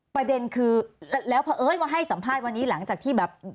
ประเด็นคือแล้วพอเอ้ยมาให้สัมภาษณ์วันนี้หลังจากที่แบบ